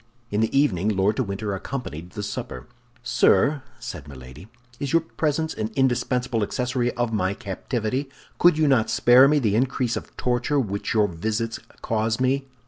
In the evening Lord de Winter accompanied the supper. "Sir," said Milady, "is your presence an indispensable accessory of my captivity? Could you not spare me the increase of torture which your visits cause me?"